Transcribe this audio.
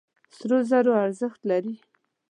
سرو زرو ارزښت لري.